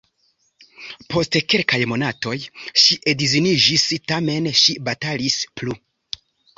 Post kelkaj monatoj ŝi edziniĝis, tamen ŝi batalis plu.